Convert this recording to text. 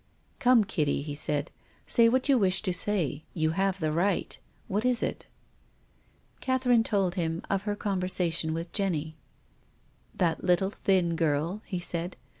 " Come, Kitty," he said. " Say what you wish to say. You have the right. What is it ?" Catherine told him of her conversation with Jenny. "That little thin girl," he said.